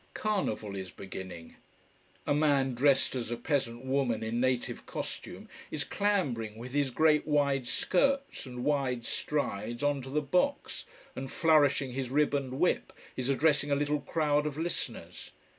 Carnival is beginning. A man dressed as a peasant woman in native costume is clambering with his great wide skirts and wide strides on to the box, and, flourishing his ribboned whip, is addressing a little crowd of listeners.